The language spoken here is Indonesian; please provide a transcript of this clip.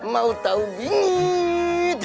mau tahu bingit